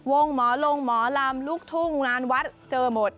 เจอหมอลำลูกทู่งุงลานวัดเจอหมด